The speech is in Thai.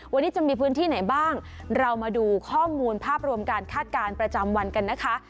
วันนี้จะมีพื้นที่ไหนบ้างเรามาดูข้อมูลภาพรวมการคาดการณ์ประจำวันกันนะคะ